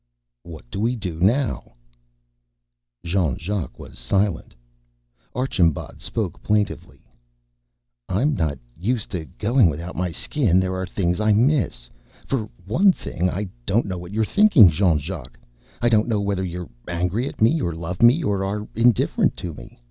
"What do we do now?" Jean Jacques was silent. Archambaud spoke plaintively. "I'm not used to going without my Skin. There are things I miss. For one thing, I don't know what you're thinking, Jean Jacques. I don't know whether you're angry at me or love me or are indifferent to me.